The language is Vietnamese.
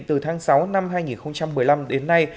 từ tháng sáu năm hai nghìn một mươi năm đến nay